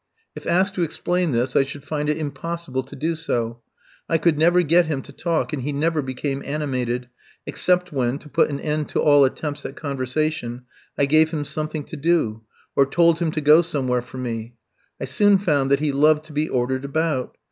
If asked to explain this, I should find it impossible to do so. I could never get him to talk, and he never became animated, except when, to put an end to all attempts at conversation, I gave him something to do, or told him to go somewhere for me. I soon found that he loved to be ordered about.